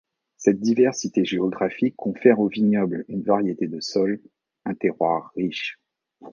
Cette diversité géographique confère au vignoble une variété de sol, un terroir riche.